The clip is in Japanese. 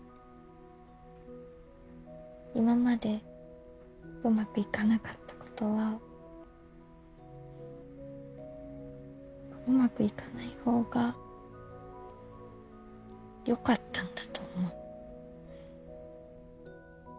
今までうまくいかなかったことはうまくいかない方がよかったんだと思う。